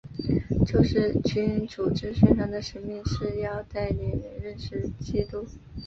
救世军组织宣传的使命是要带领人认识基督。